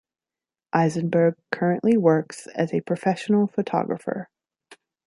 Eisenberg currently works as a professional photographer.